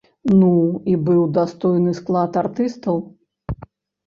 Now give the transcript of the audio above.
Ну, і быў дастойны склад артыстаў.